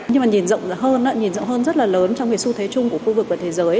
nhưng mà nhìn rộng hơn nhìn rộng hơn rất là lớn trong cái xu thế chung của khu vực và thế giới